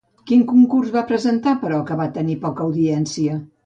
Quin concurs va presentar però que va tenir poca audiència?